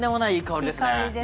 いい香りですね。